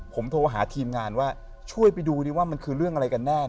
ผมโทรหาทีมงานว่าช่วยไปดูดิว่ามันคือเรื่องอะไรกันแน่